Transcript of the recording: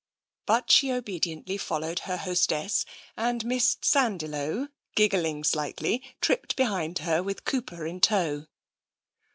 But she obediently followed her hostess, and Miss Sandiloe, giggling slightly, tripped behind her with Cooper in tow.